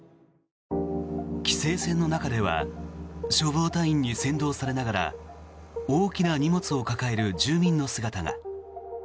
規制線の中では消防隊員に先導されながら大きな荷物を抱える住民の姿が。